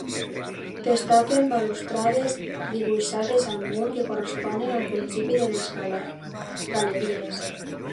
Destaquen balustrades dibuixades al mur que corresponen al principi de les galeries.